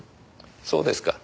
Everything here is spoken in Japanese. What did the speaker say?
そうですか。